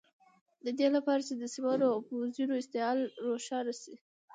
د دې لپاره چې د سیمانو او فیوزونو اتصال روښانه شي.